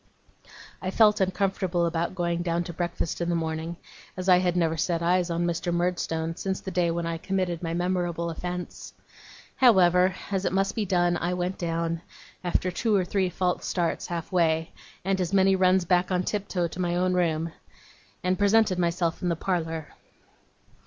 I felt uncomfortable about going down to breakfast in the morning, as I had never set eyes on Mr. Murdstone since the day when I committed my memorable offence. However, as it must be done, I went down, after two or three false starts half way, and as many runs back on tiptoe to my own room, and presented myself in the parlour.